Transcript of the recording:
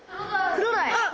クロダイ！